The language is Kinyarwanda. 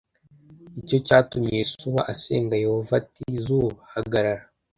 Ni cyo cyatumye Yosuwa asenga Yehova ati ‘zuba, hagarara!’